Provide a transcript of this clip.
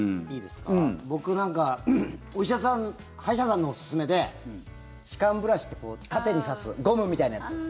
僕、なんか歯医者さんのおすすめで歯間ブラシって、縦に挿すゴムみたいなやつ。